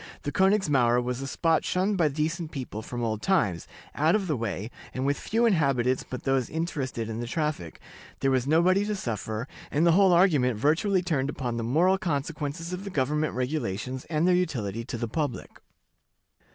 The Königsmauer was a spot shunned by decent people from old times, out of the way, and with few inhabitants but those interested in the traffic, there was nobody to suffer, and the whole argument virtually turned upon the moral consequences of the government regulations and their utility to the public.